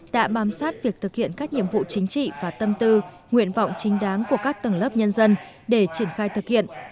đã bám sát việc thực hiện các nhiệm vụ chính trị và tâm tư nguyện vọng chính đáng của các tầng lớp nhân dân để triển khai thực hiện